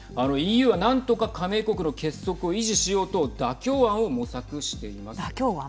ＥＵは何とか加盟国の結束を維持しようと妥協案を模索しています。